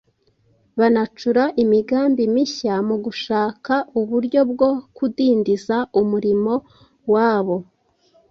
banacura imigambi mishya mu gushaka uburyo bwo kudindiza umurimo w’abo